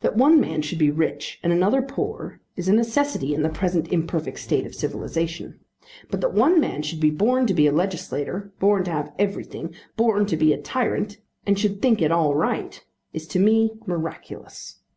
That one man should be rich and another poor is a necessity in the present imperfect state of civilisation; but that one man should be born to be a legislator, born to have everything, born to be a tyrant, and should think it all right, is to me miraculous.